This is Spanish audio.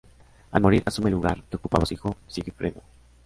Al morir, asume el lugar que ocupaba su hijo Sigifredo.